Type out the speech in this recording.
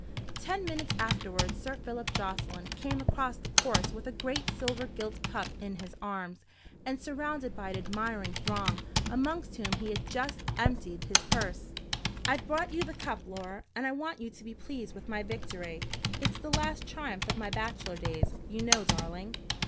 Ten minutes afterwards Sir Philip Jocelyn came across the course with a great silver gilt cup in his arms, and surrounded by an admiring throng, amongst whom he had just emptied his purse. "I've brought you the cup, Laura; and I want you to be pleased with my victory. It's the last triumph of my bachelor days, you know, darling."